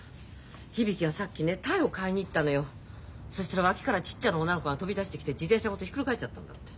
響がさっきね鯛を買いに行ったのよそしたら脇からちっちゃな女の子が飛び出してきて自転車ごとひっくり返っちゃったんだって。